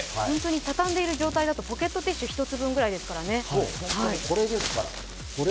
畳んでる状態だとポケットティッシュ１つぐらいですからね。